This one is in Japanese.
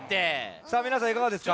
さあみなさんいかがですか？